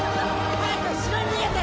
早く城に逃げて！